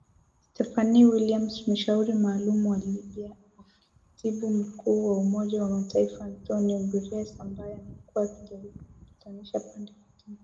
Stephanie Williams mshauri maalum kwa Libya wa katibu mkuu wa Umoja wa Mataifa Antonio Guterres, ambaye amekuwa akijaribu kuzipatanisha pande hizo mbili